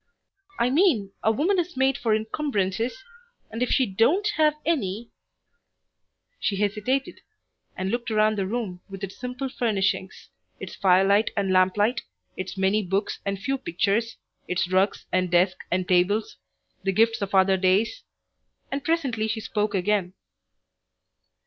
"I mean a woman is made for incumbrances, and if she don't have any " She hesitated, and looked around the room with its simple furnishings, its firelight and lamplight, its many books and few pictures, its rugs and desk and tables, the gifts of other days, and presently she spoke again.